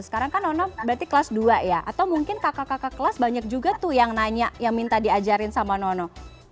sekarang kan nono berarti kelas dua ya atau mungkin kakak kakak kelas banyak juga tuh yang nanya yang minta diajarin sama nono